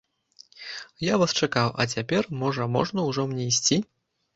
Я вас чакаў, а цяпер, можа, можна ўжо мне ісці?